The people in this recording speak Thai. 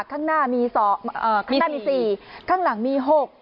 ข้างหน้ามี๔ข้างหลังมี๖